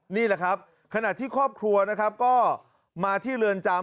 นี่แหละครับขณะที่ครอบครัวนะครับก็มาที่เรือนจำ